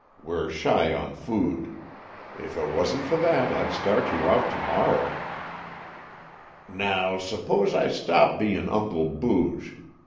We 're shy on food. If it wasn't for that I'd start you off to morrow." "Now, suppose I stop bein' Uncle Booge.